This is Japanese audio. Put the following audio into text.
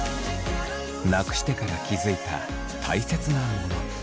なくしてから気付いたたいせつなもの。